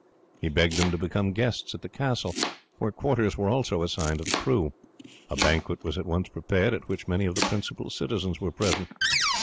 He begged them to become guests at the castle, where quarters were also assigned to the crew. A banquet was at once prepared, at which many of the principal citizens were present.